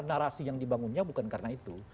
narasi yang dibangunnya bukan karena itu